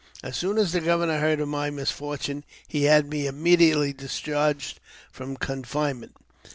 As soon as the governor heard of my misfortune, he had me immediately discharged from confine ment.